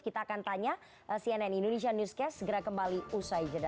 kita akan tanya cnn indonesia newscast segera kembali usai jeda